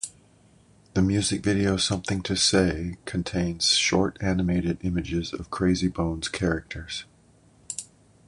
The music video "Something to Say" contains short animated images of Crazy Bones characters.